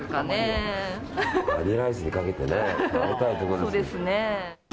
バニラアイスにかけてね食べたいところですけど。